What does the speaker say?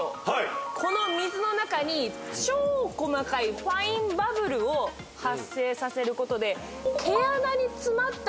この水の中に超細かいファインバブルを発生させることで。